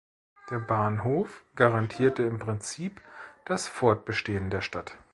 Der Bahnhof garantierte im Prinzip das Fortbestehen der Stadt.